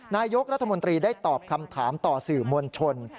นายกรัฐมนตรีได้ตอบคำถามต่อสื่อมวลชน